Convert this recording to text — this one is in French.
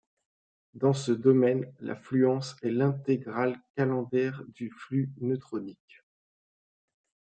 Dans ce domaine, la fluence est l'intégrale calendaire du flux neutronique.